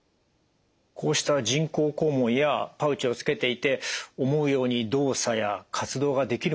こうした人工肛門やパウチをつけていて思うように動作や活動ができるものなんでしょうか？